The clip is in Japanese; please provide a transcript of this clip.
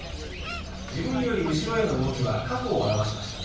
自分より後ろへの動きは過去を表しましたね。